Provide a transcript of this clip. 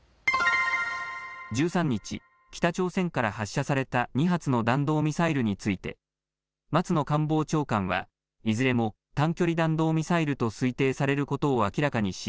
１３日、北朝鮮から発射された２発の弾道ミサイルについて松野官房長官はいずれも短距離弾道ミサイルと推定されることを明らかにし